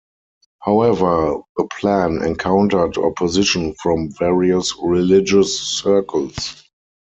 However, the plan encountered opposition from various religious circles.